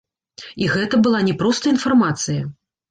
І гэта была не проста інфармацыя.